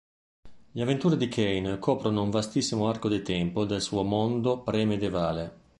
Le avventure di Kane coprono un vastissimo arco di tempo del suo mondo pre-medievale.